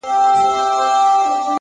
تمرکز بریا ته مستقیمه لاره جوړوي!